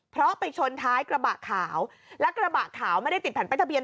เพราะไปชนท้ายกระบะขาวและกระบะขาวไม่ได้ติดแผ่นป้ายทะเบีย